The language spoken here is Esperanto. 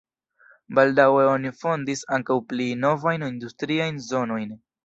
Baldaŭe oni fondis ankaŭ pli novajn industriajn zonojn.